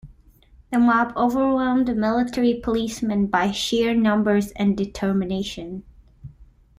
The mob overwhelmed military policemen by sheer numbers and determination.